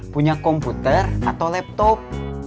punya komputer atau laptop